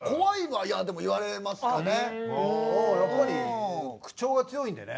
やっぱり口調が強いんでね。